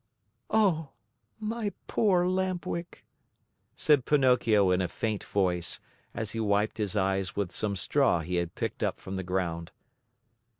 "Oh, my poor Lamp Wick," said Pinocchio in a faint voice, as he wiped his eyes with some straw he had picked up from the ground.